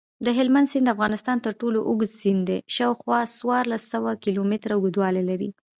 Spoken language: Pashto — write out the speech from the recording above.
دهلمند سیند دافغانستان ترټولو اوږد سیند دی شاوخوا څوارلس سوه کیلومتره اوږدوالۍ لري.